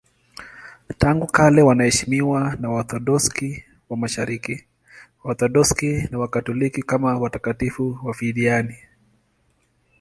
Tangu kale wanaheshimiwa na Waorthodoksi wa Mashariki, Waorthodoksi na Wakatoliki kama watakatifu wafiadini.